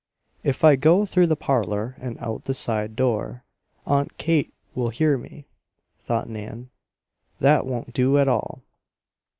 "If I go through the parlor and out the side door, Aunt Kate will hear me," thought Nan. "That won't do at all."